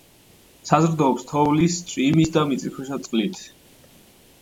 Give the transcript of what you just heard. საზრდოობს თოვლის, წვიმისა და მიწისქვეშა წყლით.